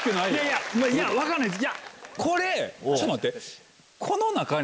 いやいや分かんないっす。